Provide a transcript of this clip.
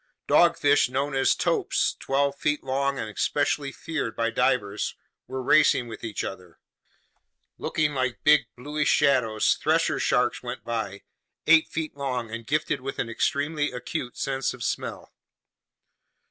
Dogfish known as topes, twelve feet long and especially feared by divers, were racing with each other. Looking like big bluish shadows, thresher sharks went by, eight feet long and gifted with an extremely acute sense of smell.